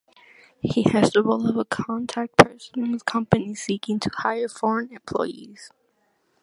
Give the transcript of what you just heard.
He has the role of a contact person with companies seeking to hire foreign employees.